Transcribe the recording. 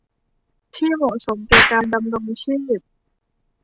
ที่เหมาะสมแก่การดำรงชีพ